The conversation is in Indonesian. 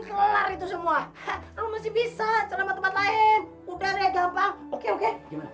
kelar itu semua lu masih bisa ceramah tempat lain udah gampang oke oke